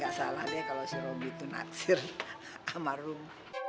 gak salah deh kalau si romi tuh naksir sama rum